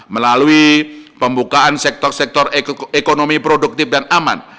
melalui pembukaan sektor sektor ekonomi produktif dan aman